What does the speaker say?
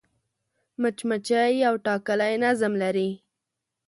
مچمچۍ یو ټاکلی نظم لري